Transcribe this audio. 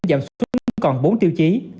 giảm xuất còn bốn tiêu chí